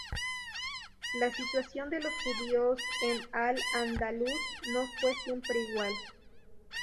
La situación de los judíos en Al-Ándalus no fue siempre igual.